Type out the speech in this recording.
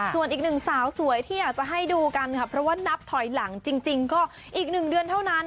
ส่วนอีกหนึ่งสาวสวยที่อยากจะให้ดูกันค่ะเพราะว่านับถอยหลังจริงก็อีกหนึ่งเดือนเท่านั้น